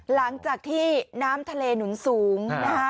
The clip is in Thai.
หลังจากที่น้ำทะเลหนุนสูงนะคะ